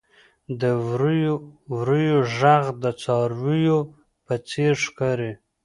• د وریو وریو ږغ د څارويو په څېر ښکاري.